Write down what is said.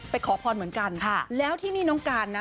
ขอพรเหมือนกันแล้วที่นี่น้องการนะ